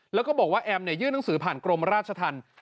แล้วก็บอกว่าแอมยื่นหนังสือผ่านกรมราชธรรม